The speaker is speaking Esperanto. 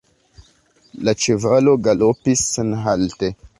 La ĉevalo galopis senhalte.